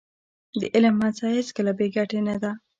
د علم هڅه هېڅکله بې ګټې نه ده.